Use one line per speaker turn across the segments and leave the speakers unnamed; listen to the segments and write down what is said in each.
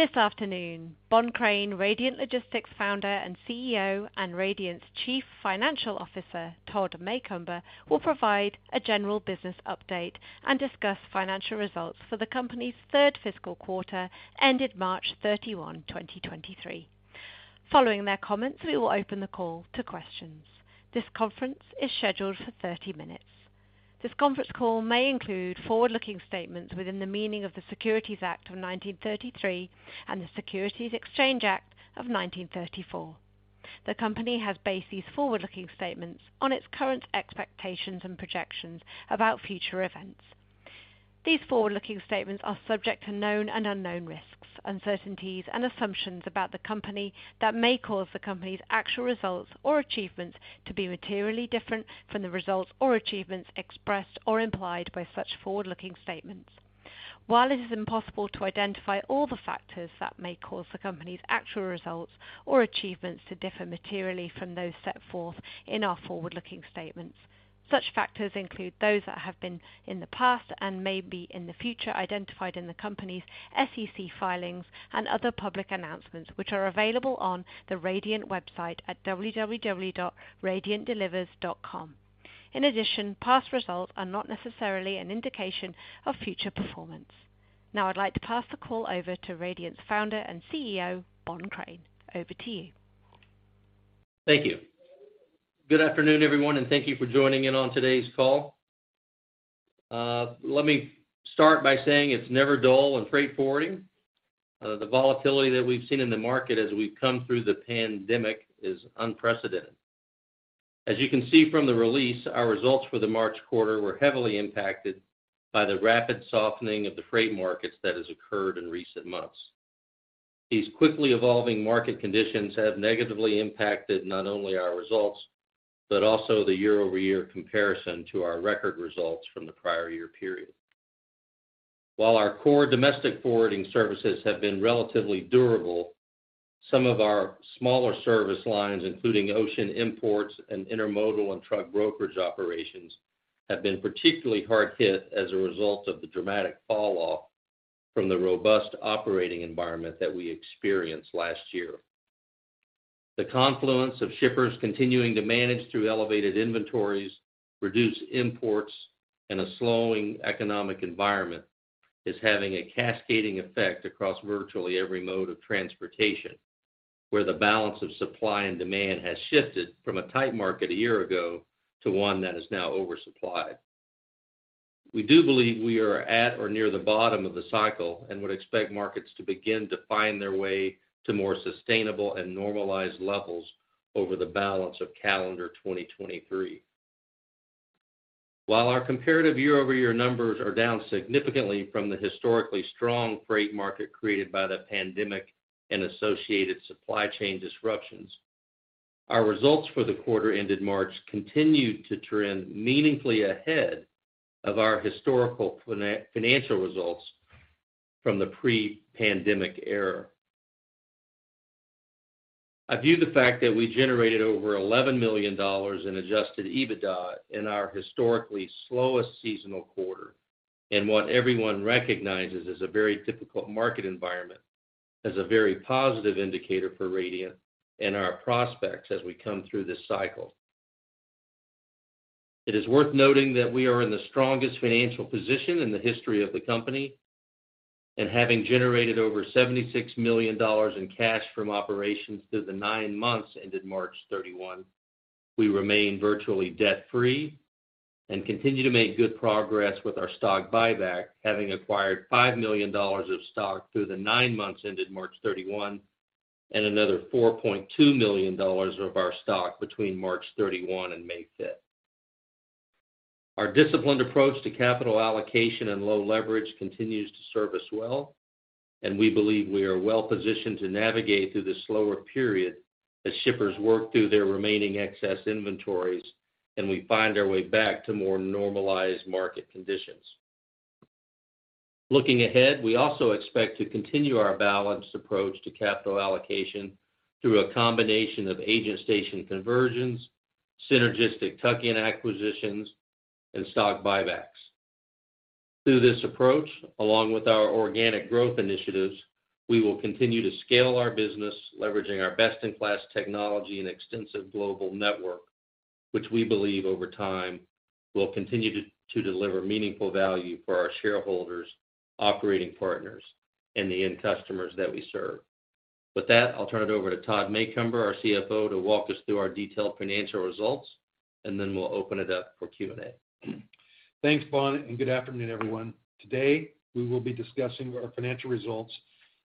This afternoon, Bohn Crain, Radiant Logistics Founder and CEO, and Radiant's Chief Financial Officer, Todd Macomber, will provide a general business update and discuss financial results for the company's third fiscal quarter ended March 31, 2023. Following their comments, we will open the call to questions. This conference is scheduled for 30 minutes. This conference call may include forward-looking statements within the meaning of the Securities Act of 1933 and the Securities Exchange Act of 1934. The company has based these forward-looking statements on its current expectations and projections about future events. These forward-looking statements are subject to known and unknown risks, uncertainties and assumptions about the company that may cause the company's actual results or achievements to be materially different from the results or achievements expressed or implied by such forward-looking statements. While it is impossible to identify all the factors that may cause the company's actual results or achievements to differ materially from those set forth in our forward-looking statements, such factors include those that have been in the past and may be in the future identified in the company's SEC filings and other public announcements, which are available on the Radiant website at www.radiantdelivers.com. In addition, past results are not necessarily an indication of future performance. Now I'd like to pass the call over to Radiant's Founder and CEO, Bohn Crain. Over to you.
Thank you. Good afternoon, everyone, and thank you for joining in on today's call. Let me start by saying it's never dull in freight forwarding. The volatility that we've seen in the market as we've come through the pandemic is unprecedented. As you can see from the release, our results for the March quarter were heavily impacted by the rapid softening of the freight markets that has occurred in recent months. These quickly evolving market conditions have negatively impacted not only our results, but also the year-over-year comparison to our record results from the prior year period. While our core domestic forwarding services have been relatively durable, some of our smaller service lines, including ocean imports and intermodal and truck brokerage operations, have been particularly hard hit as a result of the dramatic fall off from the robust operating environment that we experienced last year. The confluence of shippers continuing to manage through elevated inventories, reduced imports, and a slowing economic environment is having a cascading effect across virtually every mode of transportation, where the balance of supply and demand has shifted from a tight market a year ago to one that is now oversupplied. We do believe we are at or near the bottom of the cycle and would expect markets to begin to find their way to more sustainable and normalized levels over the balance of calendar 2023. While our comparative year-over-year numbers are down significantly from the historically strong freight market created by the pandemic and associated supply chain disruptions, our results for the quarter ended March continued to trend meaningfully ahead of our historical financial results from the pre-pandemic era. I view the fact that we generated over $11 million in adjusted EBITDA in our historically slowest seasonal quarter, and what everyone recognizes as a very difficult market environment, as a very positive indicator for Radiant and our prospects as we come through this cycle. It is worth noting that we are in the strongest financial position in the history of the company, and having generated over $76 million in cash from operations through the nine months ended March 31. We remain virtually debt-free and continue to make good progress with our stock buyback, having acquired $5 million of stock through the nine months ended March 31, and another $4.2 million of our stock between March 31 and May 5. Our disciplined approach to capital allocation and low leverage continues to serve us well. We believe we are well positioned to navigate through this slower period as shippers work through their remaining excess inventories and we find our way back to more normalized market conditions. Looking ahead, we also expect to continue our balanced approach to capital allocation through a combination of agent station conversions, synergistic tuck-in acquisitions, and stock buybacks. Through this approach, along with our organic growth initiatives, we will continue to scale our business, leveraging our best-in-class technology and extensive global network, which we believe over time will continue to deliver meaningful value for our shareholders, operating partners, and the end customers that we serve. With that, I'll turn it over to Todd Macomber, our CFO, to walk us through our detailed financial results. Then we'll open it up for Q&A.
Thanks, Bohn, good afternoon, everyone. Today, we will be discussing our financial results,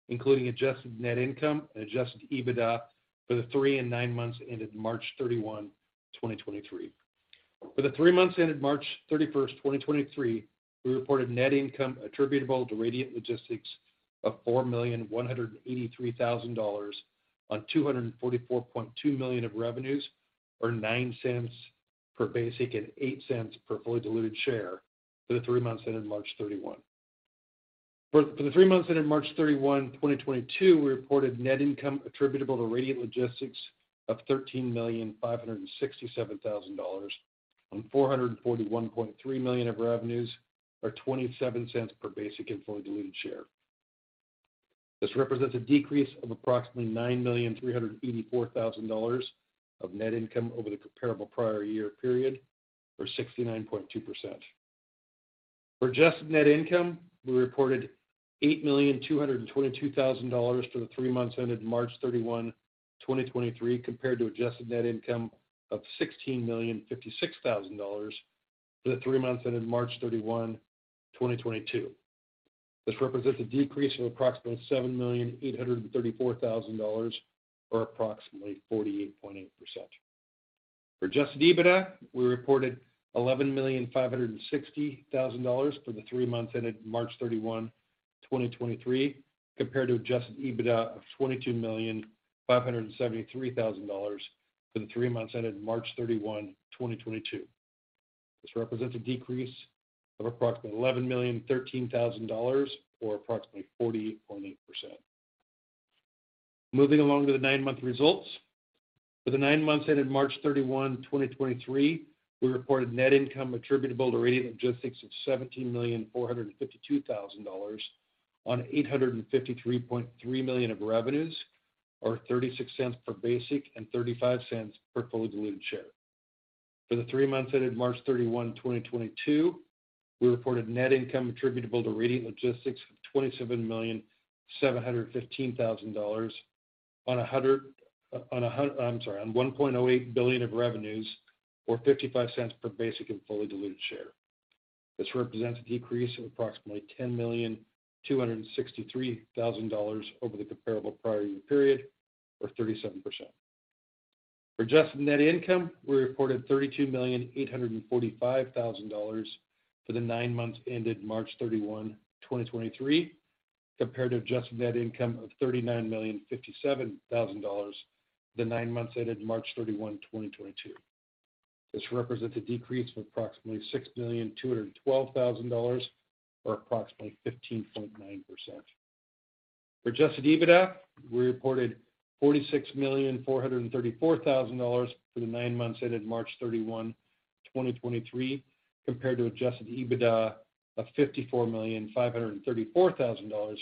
including adjusted net income and adjusted EBITDA for the three and nine months ended March 31, 2023. For the three months ended March 31, 2023, we reported net income attributable to Radiant Logistics of $4,183,000 on $244.2 million of revenues, or $0.09 per basic and $0.08 per fully diluted share for the three months ended March 31. For the three months ended March 31, 2022, we reported net income attributable to Radiant Logistics of $13,567,000. On $441.3 million of revenues, or $0.27 per basic and fully diluted share. This represents a decrease of approximately $9,384,000 of net income over the comparable prior year period, or 69.2%. For adjusted net income, we reported $8,222,000 for the three months ended March 31, 2023, compared to adjusted net income of $16,056,000 for the three months ended March 31, 2022. This represents a decrease of approximately $7,834,000 or approximately 48.8%. For adjusted EBITDA, we reported $11,560,000 for the three months ended March 31, 2023, compared to adjusted EBITDA of $22,573,000 for the three months ended March 31, 2022. This represents a decrease of approximately $11,013,000 or approximately 40.8%. Moving along to the nine-month results. For the nine months ended March 31, 2023, we reported net income attributable to Radiant Logistics of $17,452,000 on $853.3 million of revenues, or $0.36 per basic and $0.35 per fully diluted share. For the three months ended March 31, 2022, we reported net income attributable to Radiant Logistics of $27,715,000 on $1.8 billion of revenues, or $0.55 per basic and fully diluted share. This represents a decrease of approximately $10,263,000 over the comparable prior year period, or 37%. For adjusted net income, we reported $32,845,000 for the nine months ended March 31, 2023, compared to adjusted net income of $39,057,000, the nine months ended March 31, 2022. This represents a decrease of approximately $6,212,000 or approximately 15.9%. For adjusted EBITDA, we reported $46,434,000 for the nine months ended March 31, 2023, compared to adjusted EBITDA of $54,534,000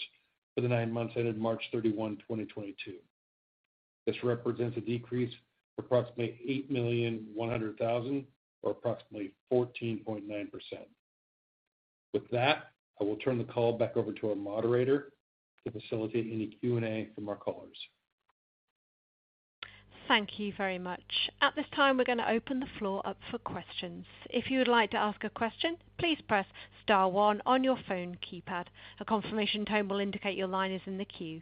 for the nine months ended March 31, 2022. This represents a decrease of approximately $8,100,000 or approximately 14.9%. I will turn the call back over to our moderator to facilitate any Q&A from our callers.
Thank you very much. At this time, we're gonna open the floor up for questions. If you would like to ask a question, please press star one on your phone keypad. A confirmation tone will indicate your line is in the queue.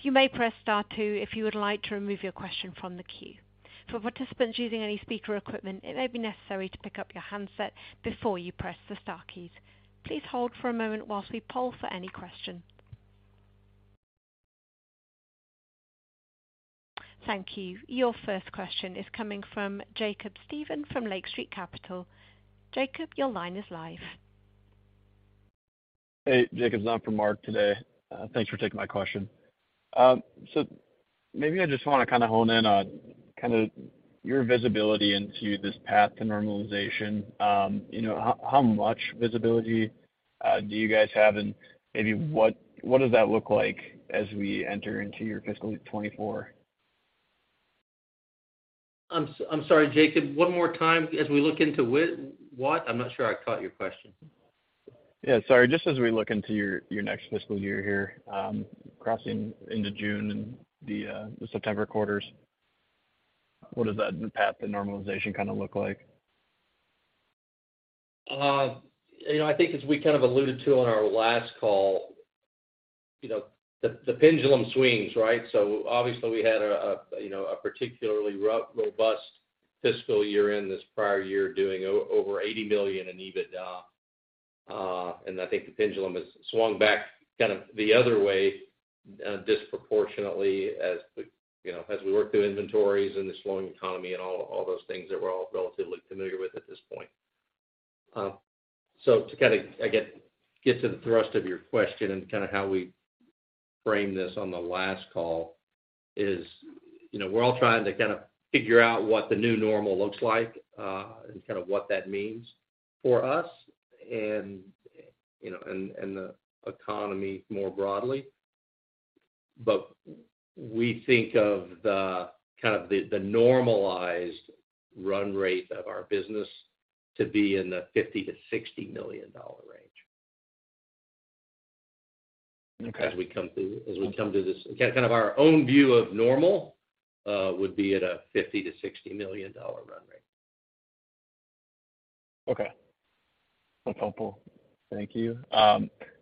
You may press star two if you would like to remove your question from the queue. For participants using any speaker equipment, it may be necessary to pick up your handset before you press the star keys. Please hold for a moment whilst we poll for any question. Thank you. Your first question is coming from Jacob Stephan from Lake Street Capital. Jacob, your line is live.
Hey, Jacob Stephan for Mark Rowe today. Thanks for taking my question. Maybe I just wanna kinda hone in on kinda your visibility into this path to normalization. You know, how much visibility do you guys have, and maybe what does that look like as we enter into your fiscal 2024?
I'm sorry, Jacob, one more time as we look into what? I'm not sure I caught your question.
Yeah, sorry. Just as we look into your next fiscal year here, crossing into June and the September quarters, what does that path to normalization kinda look like?
You know, I think as we kind of alluded to on our last call, you know, the pendulum swings, right? Obviously, we had a, you know, a particularly robust fiscal year-end this prior year, doing over $80 million in EBITDA. And I think the pendulum has swung back kind of the other way, disproportionately as the, you know, as we work through inventories and the slowing economy and all those things that we're all relatively familiar with at this point. To kinda, again, get to the thrust of your question and kinda how we framed this on the last call is, you know, we're all trying to kind of figure out what the new normal looks like, and kind of what that means for us and, you know, and the economy more broadly. we think of the kind of the normalized run rate of our business to be in the $50-60 million range.
Okay.
As we come to this, kind of our own view of normal, would be at a $50-60 million run rate.
Okay. That's helpful. Thank you.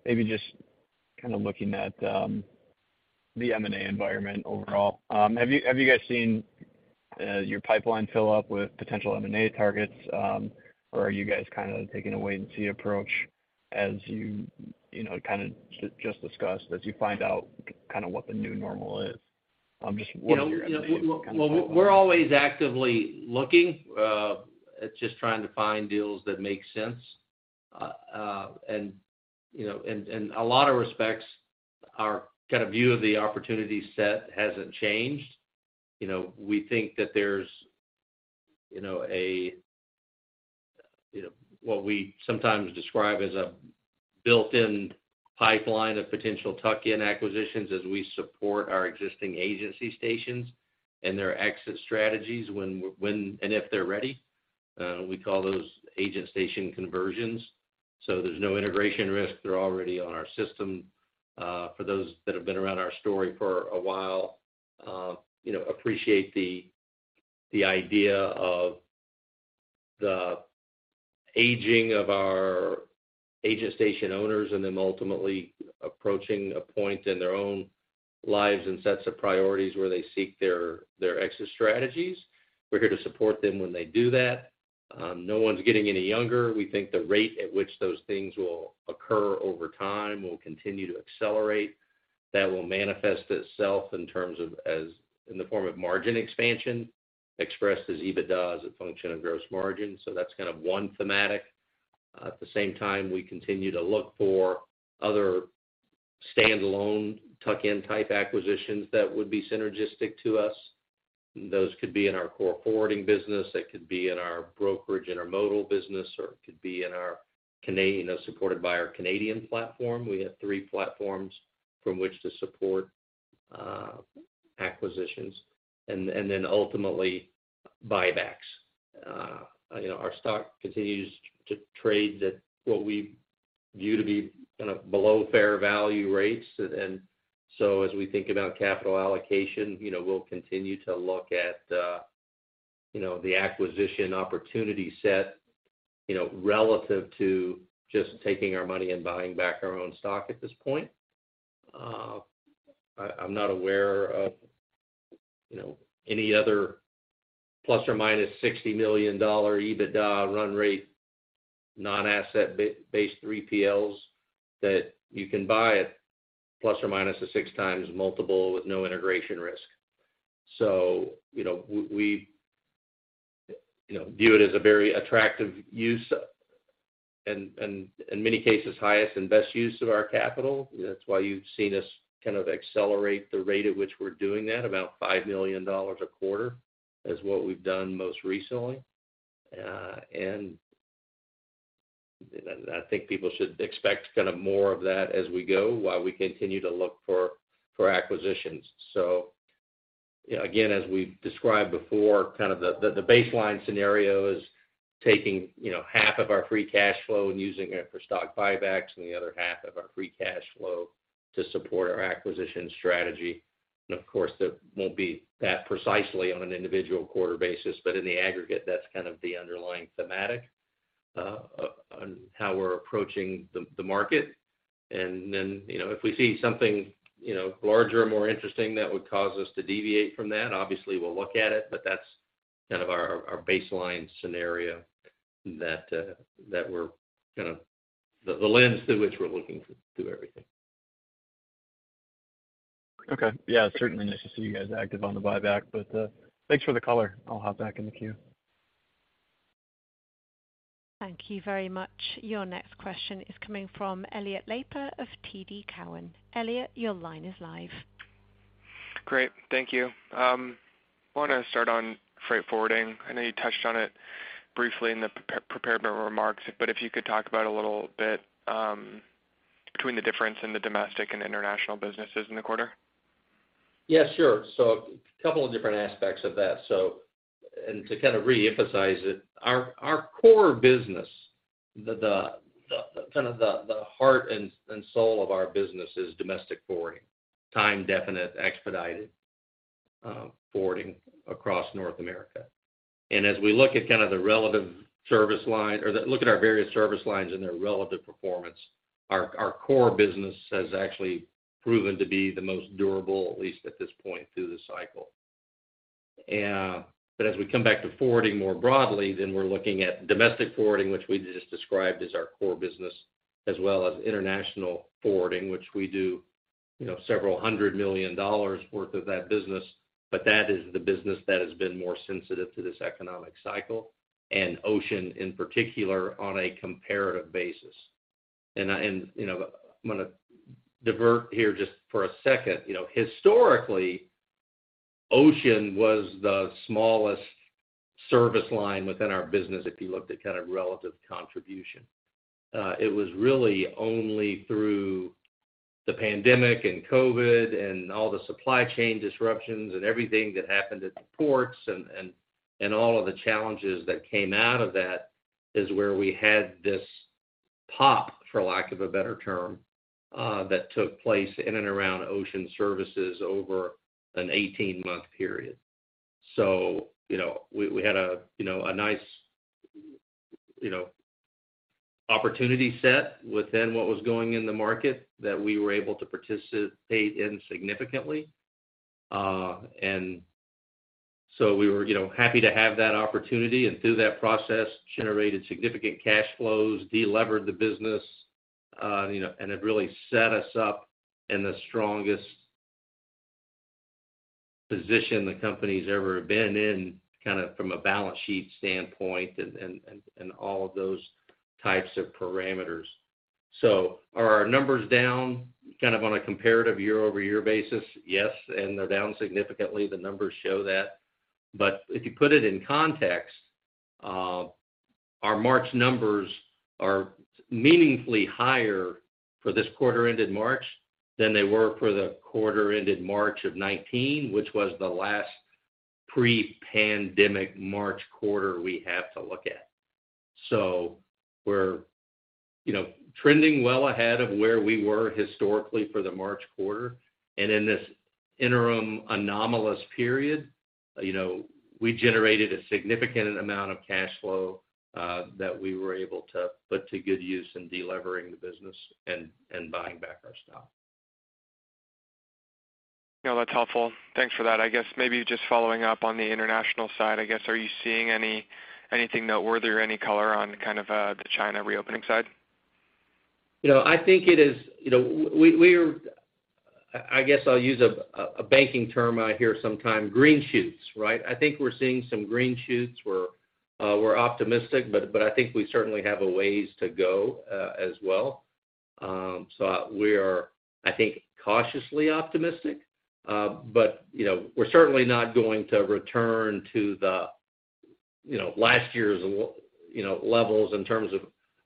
Maybe just kinda looking at the M&A environment overall. Have you guys seen your pipeline fill up with potential M&A targets? Are you guys kinda taking a wait and see approach as you know, just discussed as you find out kind of what the new normal is? Just wondering.
You know, we're always actively looking. It's just trying to find deals that make sense
You know, and a lot of respects, our kind of view of the opportunity set hasn't changed. You know, we think that there's, you know, a, you know, what we sometimes describe as a built-in pipeline of potential tuck-in acquisitions as we support our existing agent stations and their exit strategies when and if they're ready. We call those agent station conversions. There's no integration risk. They're already on our system. For those that have been around our story for a while, you know, appreciate the idea of the aging of our agent station owners and them ultimately approaching a point in their own lives and sets of priorities where they seek their exit strategies. We're here to support them when they do that. No one's getting any younger. We think the rate at which those things will occur over time will continue to accelerate. That will manifest itself in terms of as, in the form of margin expansion, expressed as EBITDA as a function of gross margin. That's kind of one thematic. At the same time, we continue to look for other standalone tuck-in type acquisitions that would be synergistic to us. Those could be in our core forwarding business, that could be in our brokerage intermodal business, or it could be in our Canadian, you know, supported by our Canadian platform. We have three platforms from which to support acquisitions. Then ultimately, buybacks. You know, our stock continues to trade at what we view to be kind of below fair value rates. As we think about capital allocation, you know, we'll continue to look at, you know, the acquisition opportunity set, you know, relative to just taking our money and buying back our own stock at this point. I'm not aware of, you know, any other ±$60 million EBITDA run rate, non-asset based 3PLs that you can buy at ± a 6x multiple with no integration risk. You know, we, you know, view it as a very attractive use and in many cases, highest and best use of our capital. That's why you've seen us kind of accelerate the rate at which we're doing that, about $5 million a quarter, is what we've done most recently. I think people should expect kind of more of that as we go while we continue to look for acquisitions. You know, again, as we described before, kind of the baseline scenario is taking, you know, half of our free cash flow and using it for stock buybacks and the other half of our free cash flow to support our acquisition strategy. Of course, that won't be that precisely on an individual quarter basis, but in the aggregate, that's kind of the underlying thematic on how we're approaching the market. You know, if we see something, you know, larger or more interesting that would cause us to deviate from that, obviously we'll look at it. That's kind of our baseline scenario that the lens through which we're looking through everything.
Okay. Yeah, certainly nice to see you guys active on the buyback. Thanks for the color. I'll hop back in the queue.
Thank you very much. Your next question is coming from Elliottt Alper of TD Cowen. Elliott, your line is live.
Great. Thank you. I wanna start on freight forwarding. I know you touched on it briefly in the pre-prepared remarks, but if you could talk about a little bit, between the difference in the domestic and international businesses in the quarter.
Sure. A couple of different aspects of that. To kind of reemphasize it, our core business, the heart and soul of our business, is domestic forwarding, time-definite expedited forwarding across North America. As we look at kind of the relevant service line or look at our various service lines and their relative performance, our core business has actually proven to be the most durable, at least at this point through the cycle. As we come back to forwarding more broadly, we're looking at domestic forwarding, which we just described as our core business, as well as international forwarding, which we do, you know, $several hundred million worth of that business. That is the business that has been more sensitive to this economic cycle and ocean in particular on a comparative basis. You know, I'm gonna divert here just for a second. You know, historically, ocean was the smallest service line within our business if you looked at kind of relative contribution. It was really only through the pandemic and COVID and all the supply chain disruptions and everything that happened at the ports and all of the challenges that came out of that is where we had this pop, for lack of a better term, that took place in and around ocean services over an 18-month period. You know, we had a, you know, a nice, you know, opportunity set within what was going in the market that we were able to participate in significantly. We were, you know, happy to have that opportunity, and through that process, generated significant cash flows, de-levered the business, you know, and it really set us up in the strongest position the company's ever been in, kind of from a balance sheet standpoint and all of those types of parameters. Are our numbers down kind of on a comparative year-over-year basis? Yes. They're down significantly. The numbers show that. If you put it in context, our March numbers are meaningfully higher for this quarter ended March than they were for the quarter ended March of 2019, which was the last pre-pandemic March quarter we have to look at. We're, you know, trending well ahead of where we were historically for the March quarter. In this interim anomalous period, you know, we generated a significant amount of cash flow, that we were able to put to good use in delevering the business and buying back our stock.
No, that's helpful. Thanks for that. I guess maybe just following up on the international side, I guess, are you seeing anything noteworthy or any color on kind of, the China reopening side?
You know, I think it is. You know, we're. I guess I'll use a banking term I hear sometime, green shoots, right? I think we're seeing some green shoots. We're optimistic, but I think we certainly have a ways to go as well. We are, I think, cautiously optimistic. You know, we're certainly not going to return to the, you know, last year's levels in terms of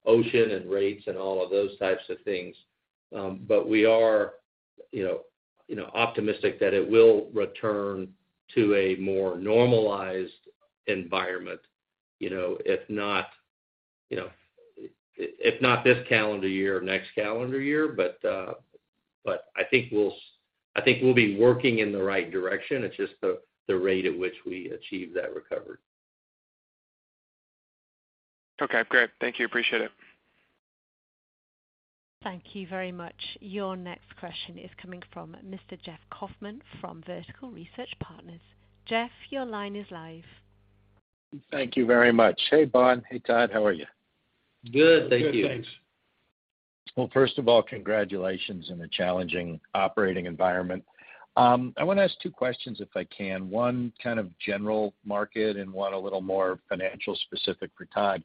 ocean and rates and all of those types of things. We are, you know, optimistic that it will return to a more normalized environment, if not, if not this calendar year, next calendar year. I think we'll be working in the right direction. It's just the rate at which we achieve that recovery.
Okay, great. Thank you. Appreciate it.
Thank you very much. Your next question is coming from Mr. Jeff Kauffman from Vertical Research Partners. Jeff, your line is live.
Thank you very much. Hey, Bohn. Hey, Todd. How are you?
Good, thank you.
Good, thanks.
First of all, congratulations in a challenging operating environment. I wanna ask 2 questions, if I can. 1 kind of general market and 1 a little more financial specific for Todd.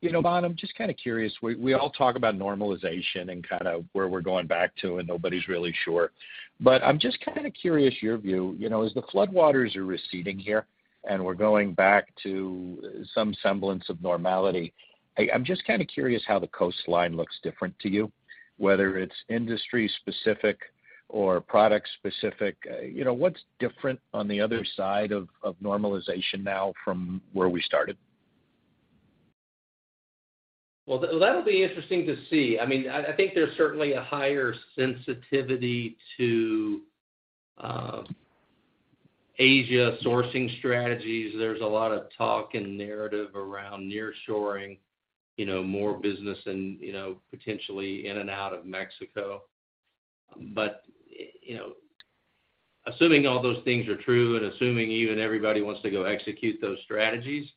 You know, Bon, I'm just kinda curious. We, we all talk about normalization and kinda where we're going back to, and nobody's really sure. I'm just kinda curious your view. You know, as the floodwaters are receding here, and we're going back to some semblance of normality, I'm just kinda curious how the coastline looks different to you, whether it's industry specific or product specific. You know, what's different on the other side of normalization now from where we started?
Well, that'll be interesting to see. I mean, I think there's certainly a higher sensitivity to Asia sourcing strategies. There's a lot of talk and narrative around nearshoring, you know, more business and, you know, potentially in and out of Mexico. You know, assuming all those things are true and assuming you and everybody wants to go execute those strategies-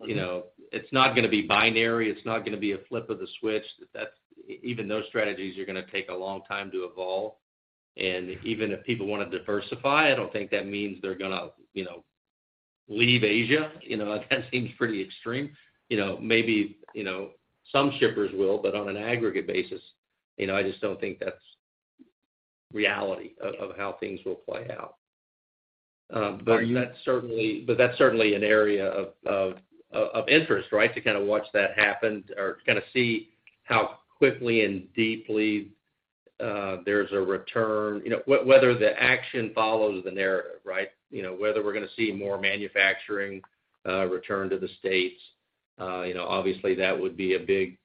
Okay...
you know, it's not gonna be binary, it's not gonna be a flip of the switch. That's even those strategies are gonna take a long time to evolve. Even if people wanna diversify, I don't think that means they're gonna, you know, leave Asia. You know, that seems pretty extreme. You know, maybe, you know, some shippers will, but on an aggregate basis, you know, I just don't think that's reality of how things will play out. But that's certainly an area of, of interest, right? To kinda watch that happen or to kinda see how quickly and deeply, there's a return. You know, whether the action follows the narrative, right? You know, whether we're gonna see more manufacturing, return to the States. You know, obviously that would be a big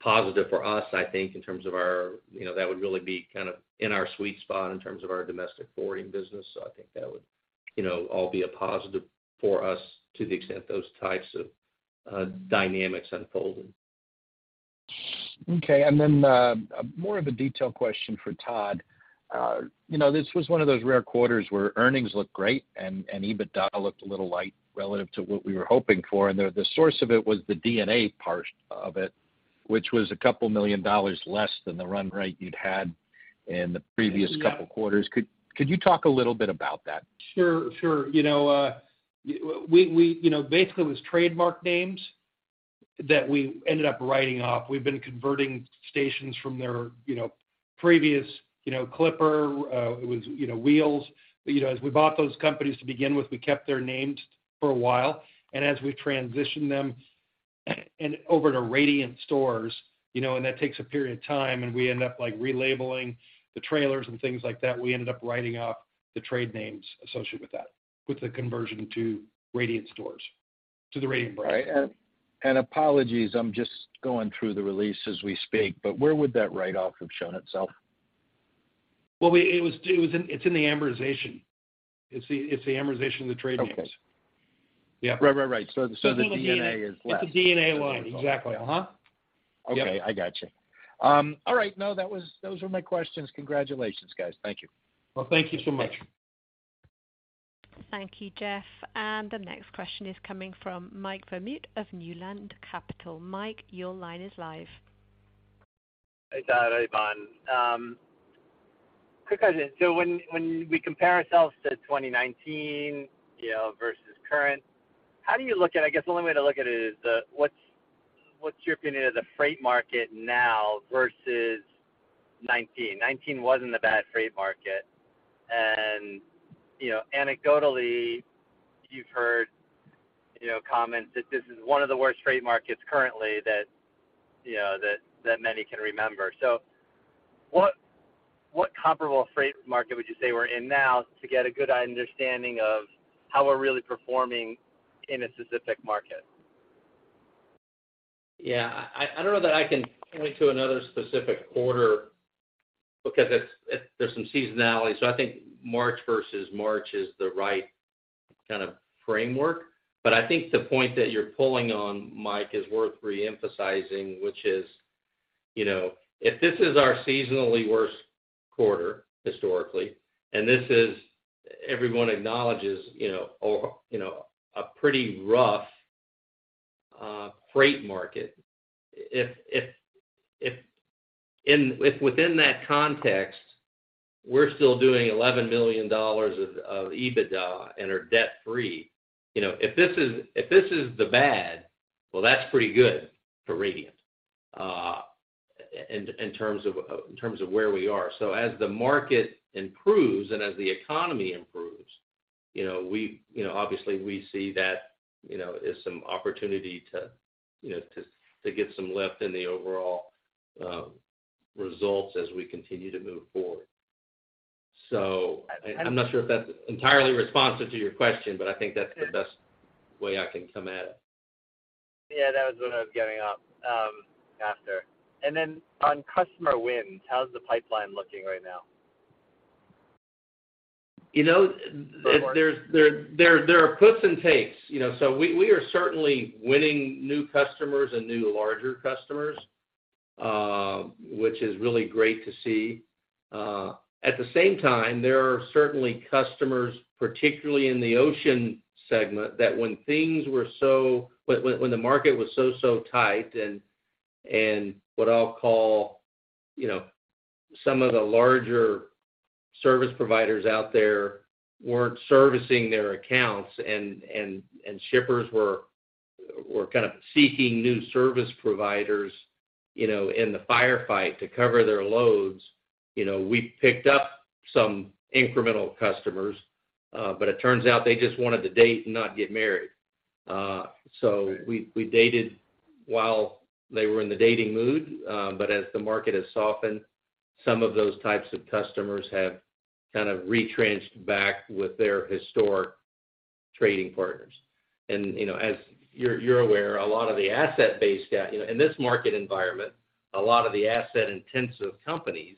positive for us, I think. You know, that would really be kind of in our sweet spot in terms of our domestic forwarding business. I think that would, you know, all be a positive for us to the extent those types of dynamics unfolded.
Okay. More of a detailed question for Todd. You know, this was one of those rare quarters where earnings looked great and EBITDA looked a little light relative to what we were hoping for. The source of it was the DBA part of it, which was $2 million less than the run rate you'd had in the previous 2 quarters.
Yeah.
Could you talk a little bit about that?
Sure. Sure. You know, basically it was trademarked names that we ended up writing off. We've been converting stations from their, you know, previous, you know, Clipper, it was, you know, Wheels. You know, as we bought those companies to begin with, we kept their names for a while. As we transitioned them and over to Radiant stores, you know, and that takes a period of time, and we end up, like, relabeling the trailers and things like that. We ended up writing off the trade names associated with that, with the conversion to Radiant stores, to the Radiant brand.
Right. And apologies, I'm just going through the release as we speak, but where would that write-off have shown itself?
Well, it was in the amortization. It's the amortization of the trade names.
Okay.
Yeah.
Right. Right, right. The DBA is left.
It's the DBA line. Exactly. Uh-huh.
Okay.
Yep.
I got you. All right. No, those were my questions. Congratulations, guys. Thank you.
Well, thank you so much.
Thank you, Jeff. The next question is coming from Mike Vermut of Newland Capital. Mike, your line is live.
Hey, Todd. Hey, Bohn. quick question. When we compare ourselves to 2019, you know, versus current, how do you look at. I guess the only way to look at it is, what's your opinion of the freight market now versus 2019? 2019 wasn't a bad freight market. Anecdotally, you've heard, you know, comments that this is one of the worst freight markets currently that, you know, that many can remember. What comparable freight market would you say we're in now to get a good understanding of how we're really performing in a specific market?
Yeah. I don't know that I can point to another specific quarter because it's there's some seasonality. I think March versus March is the right kind of framework. I think the point that you're pulling on, Mike, is worth re-emphasizing, which is, you know, if this is our seasonally worst quarter historically, and this is everyone acknowledges, you know, or, you know, a pretty rough freight market. If within that context, we're still doing $11 million of EBITDA and are debt free, you know, if this is, if this is the bad, well, that's pretty good for Radiant in terms of where we are. As the market improves and as the economy improves, you know, we... You know, obviously we see that, you know, as some opportunity to, you know, to get some lift in the overall results as we continue to move forward. I'm not sure if that's entirely responsive to your question, but I think that's the best way I can come at it.
Yeah, that was what I was getting, after. On customer wins, how's the pipeline looking right now?
You know, there's, there are puts and takes, you know. We, we are certainly winning new customers and new larger customers, which is really great to see. At the same time, there are certainly customers, particularly in the ocean segment, that when the market was so tight and what I'll call, you know, some of the larger service providers out there weren't servicing their accounts and shippers were kind of seeking new service providers, you know, in the firefight to cover their loads. You know, we picked up some incremental customers, but it turns out they just wanted to date and not get married. We, we dated while they were in the dating mood. As the market has softened, some of those types of customers have kind of retrenched back with their historic trading partners. You know, as you're aware, a lot of the asset base, you know, in this market environment, a lot of the asset-intensive companies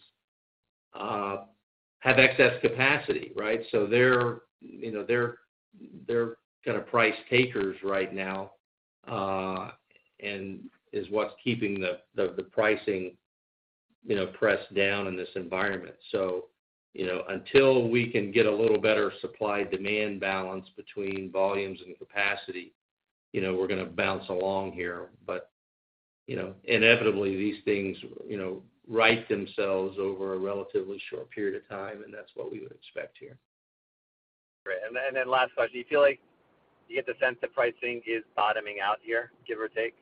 have excess capacity, right? They're, you know, they're kind of price takers right now, and is what's keeping the pricing, you know, pressed down in this environment. You know, until we can get a little better supply-demand balance between volumes and capacity, you know, we're gonna bounce along here. You know, inevitably these things, you know, right themselves over a relatively short period of time, and that's what we would expect here.
Great. Last question. Do you feel like you get the sense that pricing is bottoming out here, give or take?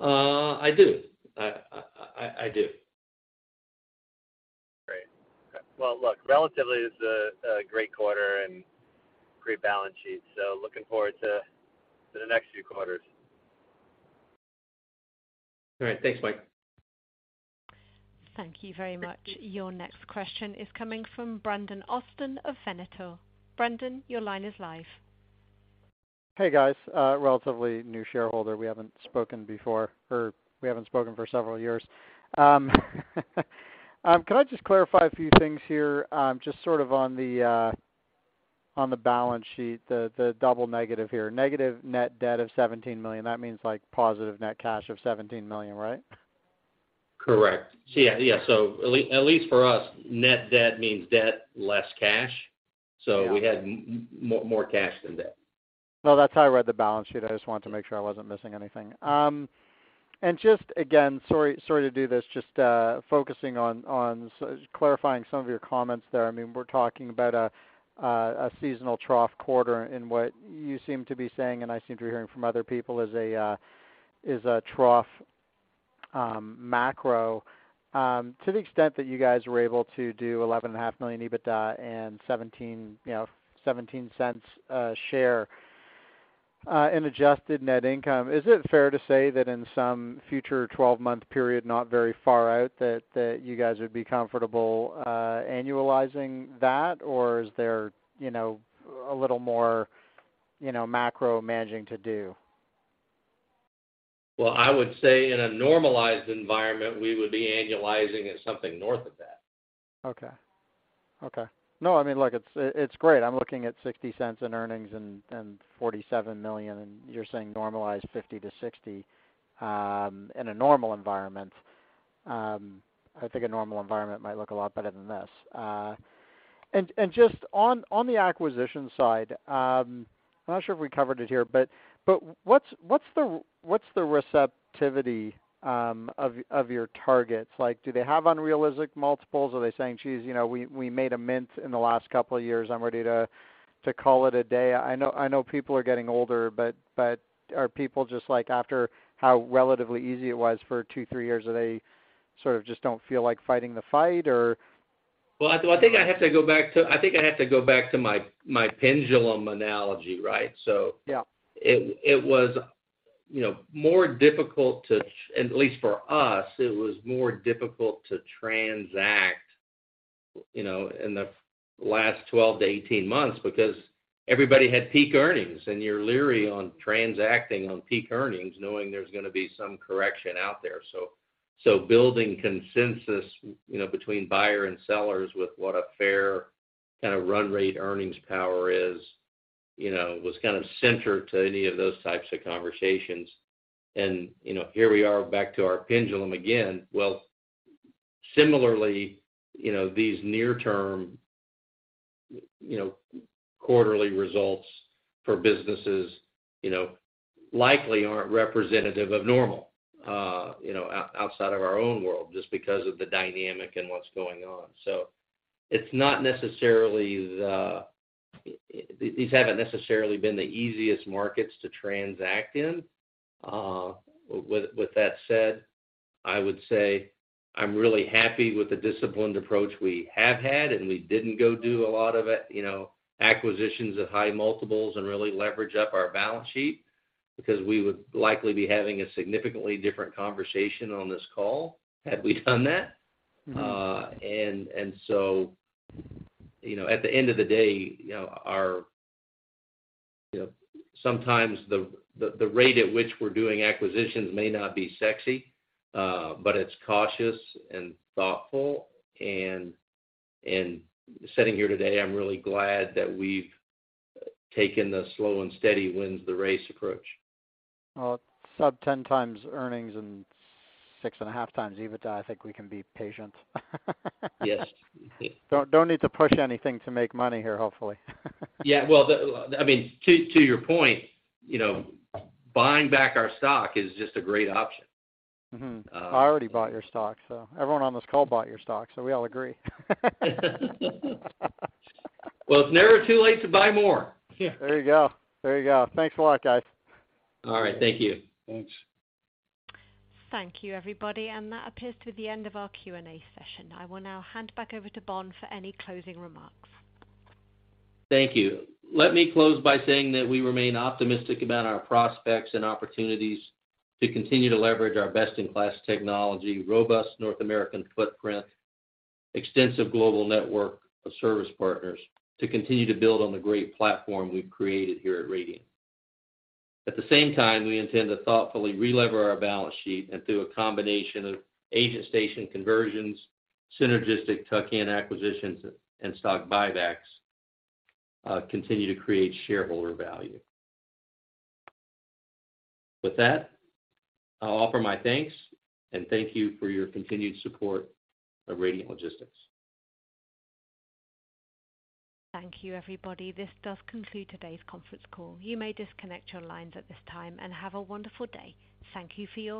I do. I do.
Great. Well, look, relatively is a great quarter and great balance sheet. Looking forward to the next few quarters.
All right. Thanks, Mike.
Thank you very much. Your next question is coming from Brendan Austin of Venator. Brendan, your line is live.
Hey, guys. A relatively new shareholder. We haven't spoken before, or we haven't spoken for several years. Can I just clarify a few things here, just sort of on the balance sheet, the double negative here? Negative Net Debt of $17 million, that means, like, positive Net Cash of $17 million, right?
Correct. Yeah, yeah. At least for us, net debt means debt less cash.
Yeah.
We had more cash than debt.
No, that's how I read the balance sheet. I just wanted to make sure I wasn't missing anything. Just again, sorry to do this, focusing on clarifying some of your comments there. I mean, we're talking about a seasonal trough quarter, and what you seem to be saying, and I seem to be hearing from other people is a trough macro. To the extent that you guys were able to do $11.5 million EBITDA and $0.17 share in adjusted net income. Is it fair to say that in some future 12-month period, not very far out that you guys would be comfortable annualizing that? Is there a little more macro managing to do?
Well, I would say in a normalized environment, we would be annualizing at something north of that.
Okay. No, I mean, look, it's great. I'm looking at $0.60 in earnings and $47 million, and you're saying normalized $50 million-$60 million in a normal environment. I think a normal environment might look a lot better than this. Just on the acquisition side, I'm not sure if we covered it here, but what's the receptivity of your targets? Like, do they have unrealistic multiples? Are they saying, "Geez, you know, we made a mint in the last couple of years. I'm ready to call it a day." I know people are getting older, but are people just like, after how relatively easy it was for 2, 3 years, are they sort of just don't feel like fighting the fight or?
Well, I think I have to go back to my pendulum analogy, right?
Yeah.
It was, you know, more difficult to. At least for us, it was more difficult to transact, you know, in the last 12 to 18 months because everybody had peak earnings, and you're leery on transacting on peak earnings, knowing there's gonna be some correction out there. Building consensus, you know, between buyer and sellers with what a fair kind of run rate earnings power is, you know, was kind of center to any of those types of conversations. Here we are back to our pendulum again. Similarly, you know, these near-term, you know, quarterly results for businesses, you know, likely aren't representative of normal, you know, outside of our own world just because of the dynamic and what's going on. These haven't necessarily been the easiest markets to transact in. With that said, I would say I'm really happy with the disciplined approach we have had, and we didn't go do a lot of it, you know, acquisitions at high multiples and really leverage up our balance sheet because we would likely be having a significantly different conversation on this call had we done that.
Mm-hmm.
You know, at the end of the day, you know, sometimes the rate at which we're doing acquisitions may not be sexy, but it's cautious and thoughtful, and sitting here today, I'm really glad that we've taken the slow and steady wins the race approach.
Well, sub 10 times earnings and six and a half times EBITDA, I think we can be patient.
Yes.
Don't need to push anything to make money here, hopefully.
Yeah. Well, I mean, to your point, you know, buying back our stock is just a great option.
Mm-hmm.
Um-
I already bought your stock, so everyone on this call bought your stock, so we all agree.
Well, it's never too late to buy more.
There you go. Thanks a lot, guys.
All right. Thank you.
Thanks.
Thank you, everybody, and that appears to the end of our Q&A session. I will now hand back over to Bohn for any closing remarks.
Thank you. Let me close by saying that we remain optimistic about our prospects and opportunities to continue to leverage our best-in-class technology, robust North American footprint, extensive global network of service partners to continue to build on the great platform we've created here at Radiant. At the same time, we intend to thoughtfully relever our balance sheet and through a combination of agent station conversions, synergistic tuck-in acquisitions and stock buybacks, continue to create shareholder value. With that, I'll offer my thanks and thank you for your continued support of Radiant Logistics.
Thank you, everybody. This does conclude today's conference call. You may disconnect your lines at this time and have a wonderful day. Thank you for your participation.